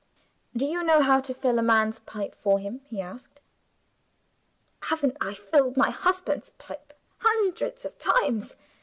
"Do you know how to fill a man's pipe for him?" he asked. "Haven't I filled my husband's pipe hundreds of times?"